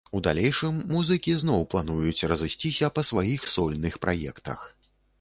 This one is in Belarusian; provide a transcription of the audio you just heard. У далейшым музыкі зноў плануюць разысціся па сваіх сольных праектах.